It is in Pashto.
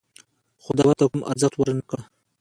خو ده ورته کوم ارزښت ور نه کړ.